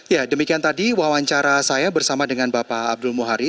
ya demikian tadi wawancara saya bersama dengan bapak abdul muhari